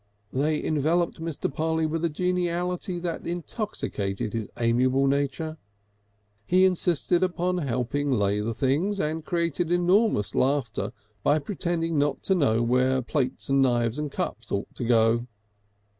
They enveloped Mr. Polly with a geniality that intoxicated his amiable nature; he insisted upon helping lay the things, and created enormous laughter by pretending not to know where plates and knives and cups ought to go.